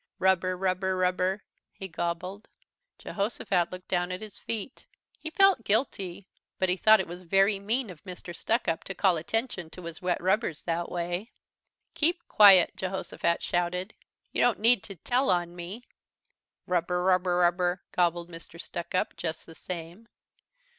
"Rubber, rubber, rubber," he gobbled. Jehosophat looked down at his feet. He felt guilty but he thought it was very mean of Mr. Stuckup to call attention to his wet rubbers that way. "Keep quiet," Jehosophat shouted. "You don't need to tell on me!" "Rubber, rubber, rubber," gobbled Mr. Stuckup just the same.